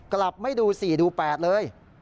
กลับไม่ดูสี่ดูแปดเลย